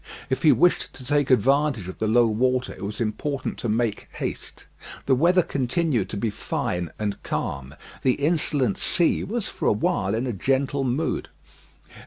If he wished to take advantage of the low water, it was important to make haste. The weather continued to be fine and calm. The insolent sea was for a while in a gentle mood.